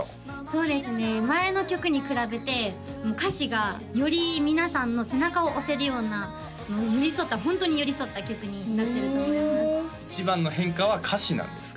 そうですね前の曲に比べて歌詞がより皆さんの背中を押せるような寄り添ったホントに寄り添った曲になってると思います一番の変化は歌詞なんですか？